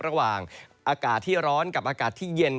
ระหว่างอากาศที่ร้อนกับอากาศที่เย็น